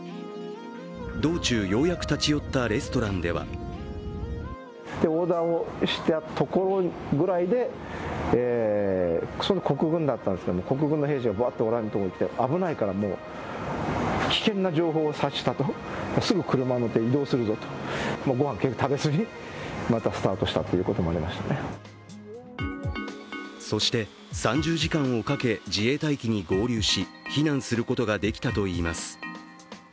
道中、ようやく立ち寄ったレストランではそして３０時間をかけ、自衛隊機に合流し、避難することができたといいます。